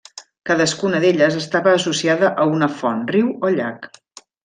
Cadascuna d'elles estava associada a una font, riu o llac.